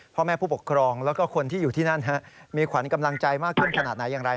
พ่อแม่ผู้ปกครองแล้วก็คนที่อยู่ที่นั่นมีขวัญกำลังใจมากขึ้นขนาดไหนอย่างไร